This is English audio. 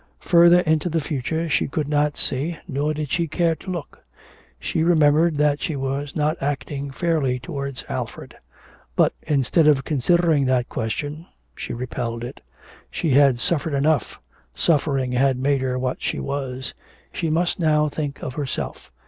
Further into the future she could not see, nor did she care to look. She remembered that she was not acting fairly towards Alfred. But instead of considering that question, she repelled it. She had suffered enough, suffering had made her what she was; she must now think of herself.